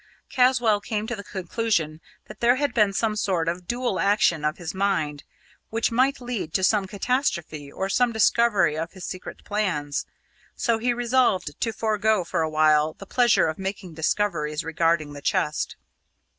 Caswall came to the conclusion that there had been some sort of dual action of his mind, which might lead to some catastrophe or some discovery of his secret plans; so he resolved to forgo for a while the pleasure of making discoveries regarding the chest.